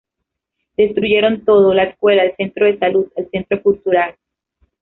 Destruyeron todo: la escuela, el centro de salud, el centro cultural.